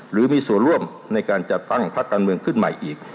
หรือมีส่วนร่วมในการจัดตั้งพักการเมืองขึ้นใหม่อีก